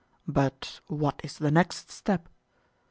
But what is the next step?